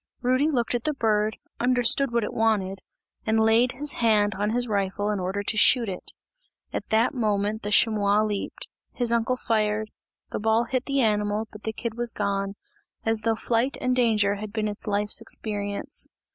Rudy looked at the bird, understood what it wanted, and laid his hand on his rifle in order to shoot it. At that moment the chamois leaped his uncle fired the ball hit the animal, but the kid was gone, as though flight and danger had been its life's experience.